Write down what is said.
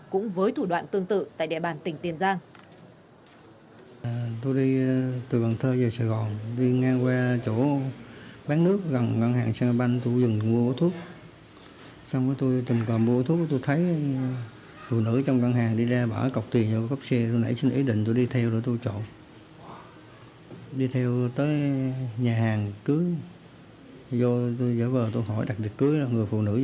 cũng với thủ đoạn tương tự tại đệ bàn tỉnh tiền giang